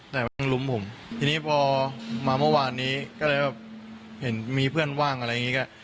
แต่มันลุ้มผมทีนี้พอมาเมื่อวานนี้ก็เลยแบบเห็นมีเพื่อนว่างอะไรอย่างนี้ก็